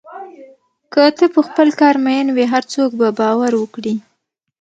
که ته په خپل کار مین وې، هر څوک به باور وکړي.